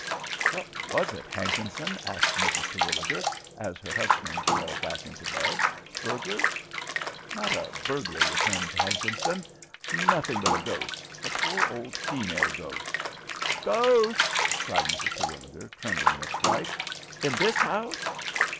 "What was it, Hankinson?" asked Mrs. Terwilliger, as her husband crawled back into bed. "Burglars?" "Not a burglar," returned Hankinson. "Nothing but a ghost a poor, old, female ghost." "Ghost!" cried Mrs. Terwilliger, trembling with fright. "In this house?"